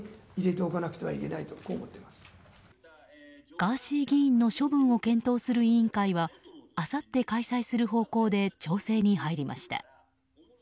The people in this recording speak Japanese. ガーシー議員の処分を検討する委員会はあさって開催する方向で調整に入りました。